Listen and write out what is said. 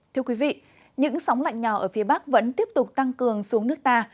thưa quý vị những sóng lạnh nhỏ ở phía bắc vẫn tiếp tục tăng cường xuống nước ta